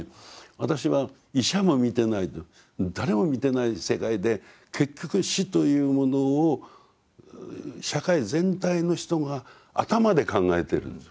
私は医者も見てないで誰も見てない世界で結局死というものを社会全体の人が頭で考えてるんですよ。